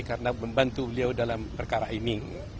karena membantu beliau dalam perkara ini